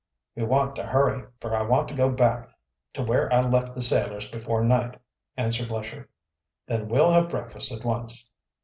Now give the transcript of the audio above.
"We want to hurry, for I want to go back to where I left the sailors before night," answered Lesher. "Then we'll have breakfast at once."